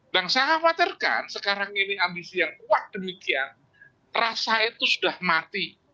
dan saya khawatirkan sekarang ini ambisi yang kuat demikian rasa itu sudah mati